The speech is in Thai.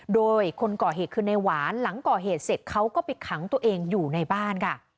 โดยคนก่อเหตุคือในหวานหลังก่อเหตุเสร็จเขาก็ไปขังตัวเองอยู่ในบ้านค่ะ